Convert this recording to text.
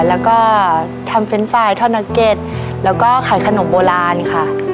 แล้วก็ทำเฟรนด์ไฟล์ทอดนักเก็ตแล้วก็ขายขนมโบราณค่ะ